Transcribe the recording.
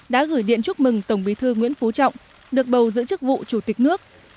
đã gửi điện chúc mừng tổng bí thư nguyễn phú trọng được bầu giữ chức vụ chủ tịch nước